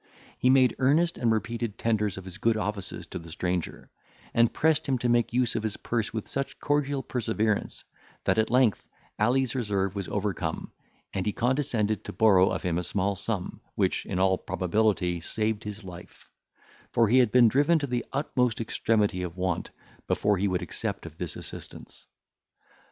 He made earnest and repeated tenders of his good offices to the stranger, and pressed him to make use of his purse with such cordial perseverance, that, at length, Ali's reserve was overcome, and he condescended to borrow of him a small sum, which in all probability, saved his life; for he had been driven to the utmost extremity of want before he would accept of this assistance.